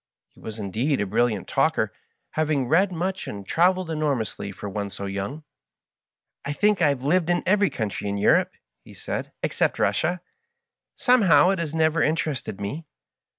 He was indeed a brilliant talker, having read much and traveled enormously for one so young. " I think I have lived in every country in Eu rope," he said, " except Russia. Somehow it has never interested me."